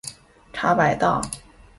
茶百道